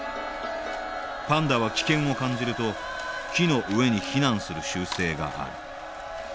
パンダは危険を感じると木の上に避難する習性がある。